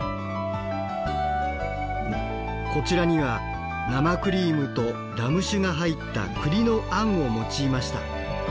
こちらには生クリームとラム酒が入った栗のあんを用いました。